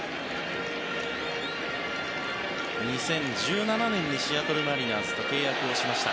２０１７年にシアトル・マリナーズと契約をしました。